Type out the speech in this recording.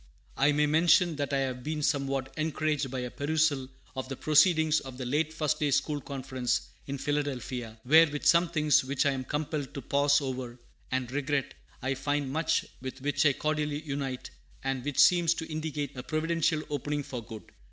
I may mention that I have been somewhat encouraged by a perusal of the Proceedings of the late First day School Conference in Philadelphia, where, with some things which I am compelled to pause over, and regret, I find much with which I cordially unite, and which seems to indicate a providential opening for good.